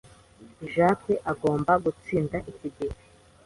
Jack agomba gutsinda iki gihe.